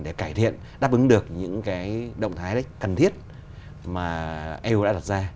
để cải thiện đáp ứng được những cái động thái cần thiết mà eu đã đặt ra